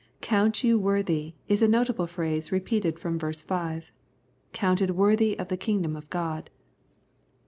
Count you worthy " is a notable phrase repeated from verse 5 :"' Counted worthy of the kingdom of God."